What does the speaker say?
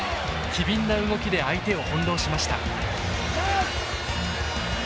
機敏な動きで相手を翻弄しました。